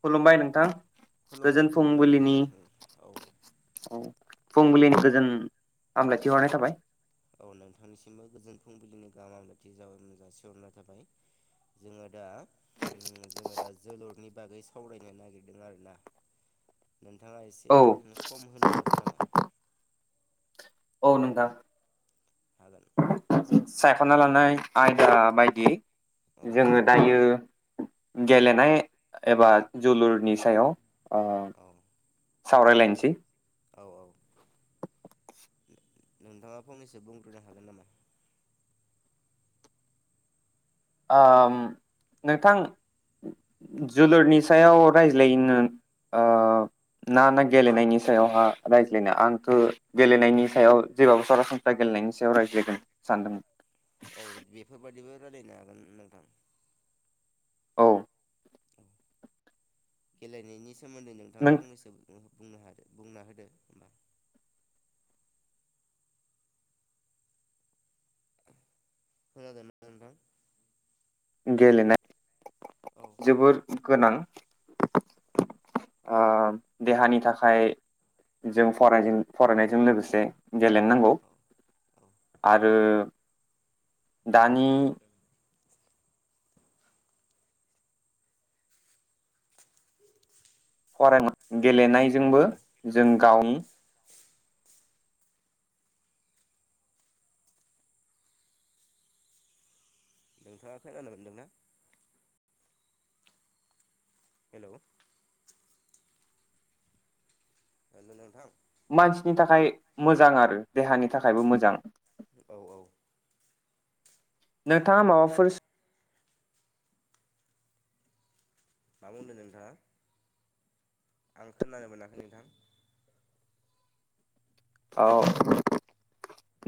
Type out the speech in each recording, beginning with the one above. खुलुमबाय नोंथां गोजोन खुलुमबाय खुलुमबाय नोंथां फुंबिलिनि ओम औ फुंबिलिनि गोजोन हामलायथिहरनाय थाबाय औ नोंथांनिसिमबो गोजोन फुंबिलिनि गाहाम हामलायथि जा जासिहरनाय थाबाय। जोङो दा ओम जोङो दा जोलुरनि बागै सावरायनो नागिरदों आरो ना नोंथाङा एसे औ ओ सम होनो हागोन नामा? औ नोंथां [unintelligible] सायखना लानाय आयदा बायदि औ जोङो दायो गेलेनाय एबा जोलुरनि सायाव ओह औ सावरायलायनोसै औ - औ नोंथाङा फंनैसो बुंग्रोनो हागोन नामा? ओम नोंथां जोलुरनि सायाव रायज्लायनो ओह ना ना गेलेनायनि सायावहा रायज्लायनो आंथ गेलेनायनि सायाव जेबाबो सरासनस्रा गेलेनायनि सायाव रायज्लायगोन सानदोंमोन औ बेफोरबादिबो रायलायनो हागोन नोंथां औ गेलेनायनि सोमोन्दै नोंथाङा नों फंनैसो बुंनो बुंना होदो होमबा खानादोंना नोंथां औ गेलेनाय जोबोर गोनां ओ देहानि थाखाय जों फराय फरायनायजों लोगोसे गेलेनो नांगौ औ औ आरो दानि फरायना औ गेलेनायजोंबो औ जों गावनि नोंथाङा खोनानो मोनदोंना हेलौ हेल' नोंथां मानसिनि थाखाय मोजां आरो देहानि थाखायबो मोजां औ-औ नोंथाङा माबाफोर मा बुंदों नोंथाङा आं खोनानो मोनाखै नोंथां औ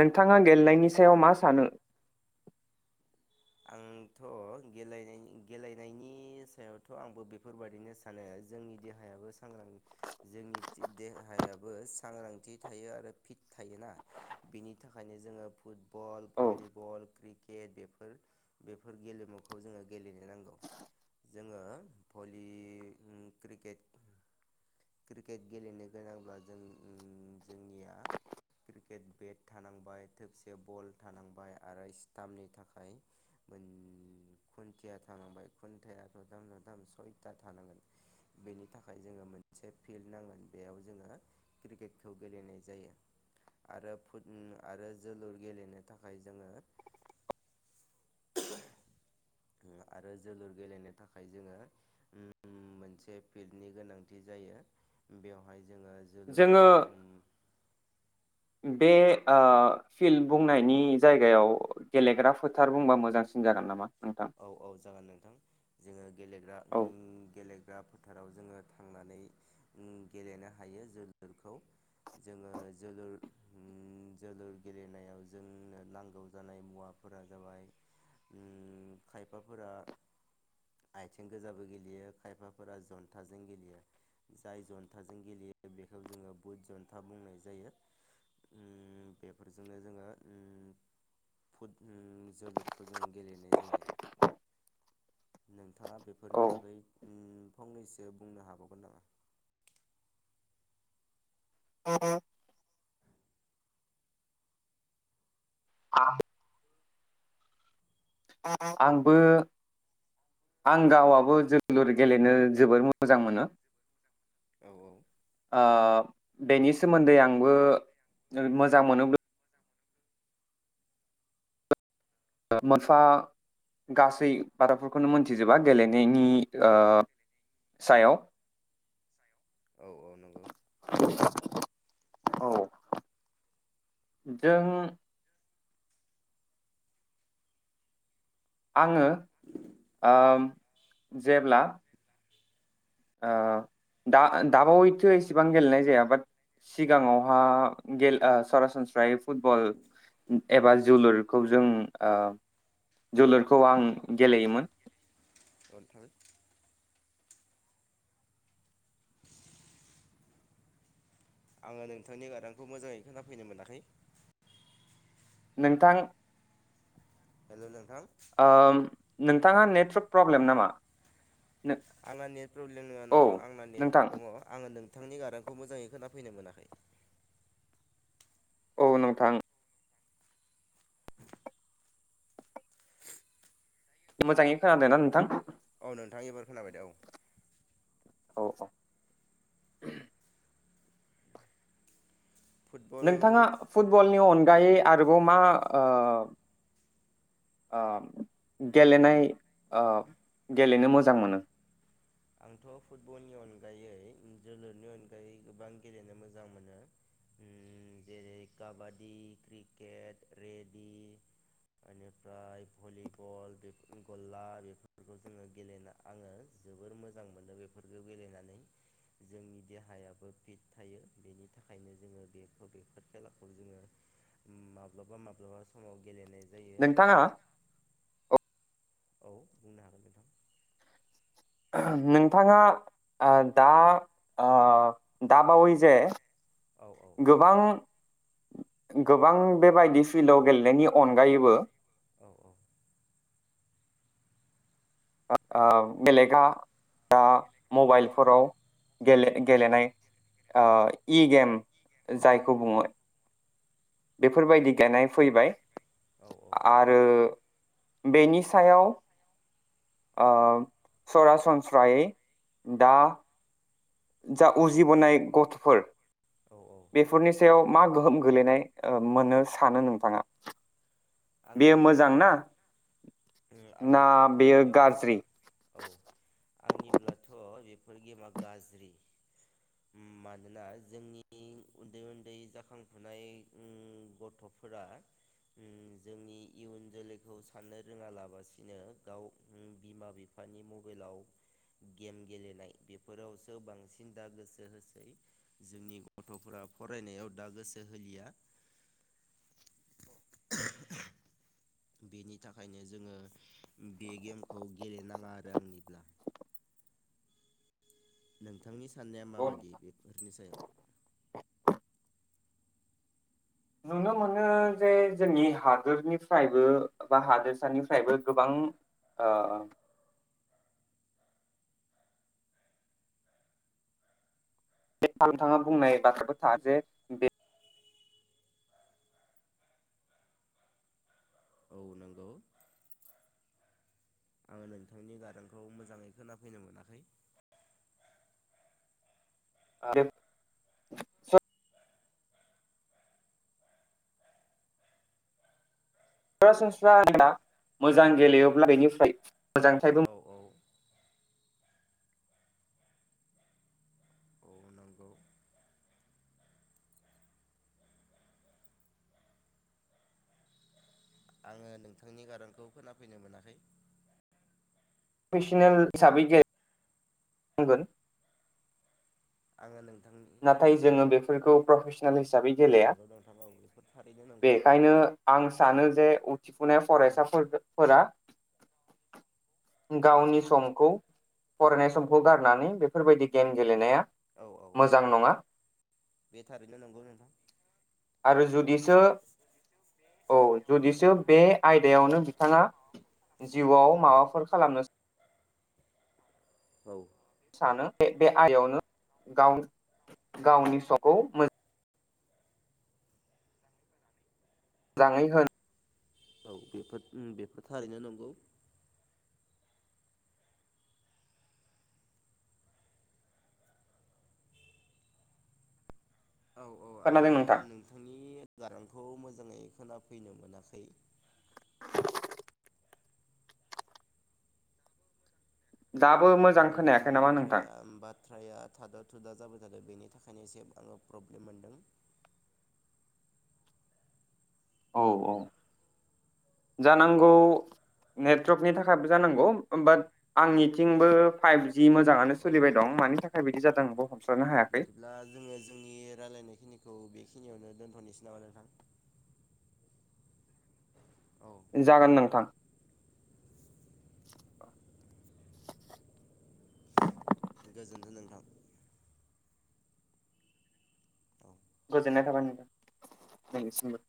नोंथाङा गेलेनायनि सायाव मा सानो आंथ' गेले-गेलेनायनि सायावथ' आंबो बेफोरबायादिनो सानो जोंनि देहायाबो सांग्रां जोंनि देहायाबो सांग्रांथि थायो आरो फिट थायोना बिनि थाखायनो जोङो फुटबल, औ भलिबल, क्रिकेट बेफो र बेफोर गेलेमुखौ जोङो गेलेनो नांगौ। जोङो भलि, क्रिकेट क्रिकेट गेलेनो गोनांब्ला जों जोंनिया क्रिकेट बेट थानांबाय थोबसे बल थानांबाय आरो स्टाम्पनि थाखाय मोन खुन्थिया थानांबाय खुन्थाया खुन्थाया सयथा थानांगोन बेनि थाखाय जोङो मोन से फिल्ड नांगोन बेयाव जोङो क्रिकेटखौ गेलेनाय जायो आरो फुद आरो जोलुर गेलेनो थाखाय जोङो [inaudible] आरो जोलुर गेलेनो थाखाय जोङो मोनसे फिल्डनि गोनांथि जायो बेवहाय जोङो जोङो जोलुरखौ ओम बे ओ फिल्ड बुंनायनि जायगायाव गेलेग्रा फोथार बुंबा मोजांसिन जागोन नामा? नोंथां औ औ जागोन नोंथां जोङो गेलेग्रा औ ओम गेलेग्रा फोथाराव जोङो थांनानै उम गेलेनो हायो जोलुरखौ जोङो जोलुर उम जोलुर गेलेनायाव जोंनो नांगौ जानाय मुवाफोरा जाबाय उम खायफाफोरा आथिं गोजाबो गेलेयो खायफाफोरा जन्थाजों गेलेयो जाय जन्थाजों गेलेयो बेखौ जोङो बुद जन्था बुंनाय जायो। उम बेफोरजोंनो जोङो उम फुद उम जोलुरखौ जोङो गेलेनाय जायो। नोंथाङा बेफोरनि औ बागै फंनैसो बुंनो हाबावगोन नामा? अ [unintelligible] [unintelligible] आं आंबो आं गावाबो जोलुर गेलेनो जोबोर मोजां मोनो। औ औ ओ बेनि सोमोन्दै आंबो मोजां मोनोब्ला मोनफा गासै बाथ्राफोरखौनो मोनथिजोबा गेलेनायनि ओ सायाव औ औ नंगौ औ जों आङो ओम जेब्ला ओ दा-दाबावैथो एसेबां गेलेनाय जाया बाट सिगाङावहा गेल ओ सरासनस्रायै फुटबल एबा जोलुरखौ जों ओ जोलुरखौ आं गेलेयोमोन। [inaudible] आङो नोंथांनि गारांखौ मोजाङै खोनाफैनो मोनाखै नोंथां हेलौ नोंथां ओ नोंथाङा नेटवर्क प्रब्लेम नामा? नो आंना नेट प्रब्लेम नङ औ नोंथां आंना नेट नोंथां दङ आङो नोंथांनि गारांखौ मोजाङै खोना फैनो मोनाखै औ नोंथां मोजाङै खोनादोंना नोंथां? औ नोंथां एबार खोनाबाय दे औ औ औ फुटबल नोंथाङा फुटबलनि अन गायै आरोबाव मा ओ ओ गेलेनाय ओ गेलेनो मोजां मोनो? आंथ फुटबलनि अनगायै जोलुरनि अनगायै गोबां गेलेनो मोजां मोनो उम जेरै काबादि, क्रिकेट, रेडि, एनिफ्राय भलिबल बेफोरनो गल्ला बेफोरखौ जोङो गेलेना आङो जोबोर मो जां मोनो बेफोरखौ गेलेनानै। जोंनि देहायाबो फिट थायो बेनि थाखायनो जोङो बेखौ बेफोर खेलाखौ जोङो माब्लाबा माब्लाबा समाव गेलेनाय जायो नोंथाङा औ बुंनो हागोन नोंथां नोंथाङा ओ दा ओ दाबावै जे औ औ गोबां गोबां बेबायदि फिल्डआव गेलेनायनि अनगायैबो औ ओ बेलेगा दा मबाइलफोराव गेले-गेलेनाय ओ इ गेम जायखौ बुङो बेफोरबायदि गेलेनाय फैबाय औ आरो बेनि सायाव ओ सरासनस्रायै दा जा उजिबोनाय गथफोर औ औ बेफोरनि सायाव मा गोहोम गोलैनाय ओ मोनो सानो नोंथाङा बेयो आंनिब्लाथ मोजां ना उम ना आंनिब्लाथ बेयो बेफोर गाज्रि औ आंनिब्लाथ बेफोर गेमा गाज्रि उम मानोना जोंनि उनदै उनदै जाखांफुनाय उम गथफोरा उम जोंनि इयुन जोलैखौ साननो रोङालाबसिनो गाव बिमा बिफानि मबाइलाव गेम गेलेनाय बेफोरावसो बांसिन दा गोसो होसै जोंनि गथफोरा फरायनायाव दा गोसो होलिया [inaudible] [inaudible] बेनि थाखायनो जोङो बे गेमखौ गेलेनाङा आरो आंनिब्ला नोंथांनि साननाया माबादि बेफोरनि सायाव नुनो मोनो जे जोंनि हादोरनिफ्रायबो बा हादोरसानिफ्रायबो गोबां ओ बे [unintelligible] नोंथाङा बुंनाय [unintelligible] जे बे औ नंगौ आङो नोंथांनि गारांखौ मोजाङै खोनाफैनो मोनाखै [unintelligible] सरासनस्रा [unintelligible] मोजां औ गेलेयोब्ला बेनिफ्राय [unintelligible] औ औ नंगौ आङो नोंथांनि गारांखौ खोनाफैनो मोनाखै प्रफेसनेल हिसाबै गे बुंगोन आङो नों प्रफे सन हिसाबै औ गेलेया नंगौ नोंथां औ बेफोर थारैनो नंगौ बेखायनो आं सानो जे उथिफुनाय औ फरायसाफोरखौ फोरा गावनि समखौ फरायनाय समखौ गारनानै बेफोरबायदि गेम गेलेनाया औ औ मोजां नङा बे थारैनो नंगौ नोंथां आरो जुदिसो औ जुदिसो बे आयदायावनो बिथाङा जिउवाव माबाफोर खालामनो औ सानो बे बे आइयावनो गाव गावनि फिसाखौ मो जाङै हो औ बेफोर उम बेफोर थारैनो नंगौ औ औ आङो खोनादों नोंथां नोंथांनि गारांखौ खौ मोजाङै खोनाफैनो मोनाखै। दाबो मोजां हो नोंथां खोनायाखै नामा बाथ्राया नोंथां बाथ्राया थाद थुदा जाबाय थादों बेनि थाखायनो एसे आङो प्रब्लेम मोनदों। औ औ जानांगौ नेटवर्कनि थाखायबो जानांगौ ओमबा आंनिथिंबो फाइभजि औ मोजाङानो औ सोलिबाय दं मानि थाखाय बिदि औ जादों आंबो हमस्रानो हायाखै बिदिब्ला जोङो जोंनि रायलायनाय खिनि खौ बेखिनियावनो दोनथनोसै नामा नोंथां औ जागोन नोंथां गोजोनथों नोंथां औ। गोजोननाय थाबाय नोंथांनिसिमबो।